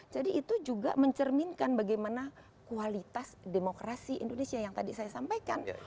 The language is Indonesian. jadi itu juga mencerminkan bagaimana kualitas demokrasi indonesia yang tadi saya sampaikan